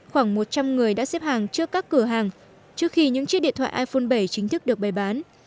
khoảng một trăm linh người đã xếp hàng trước các cửa hàng trước khi những chiếc điện thoại iphone bảy chính thức được bày bán